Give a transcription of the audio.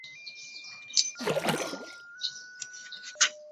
红湖县是美国明尼苏达州西北部的一个县。